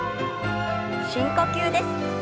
深呼吸です。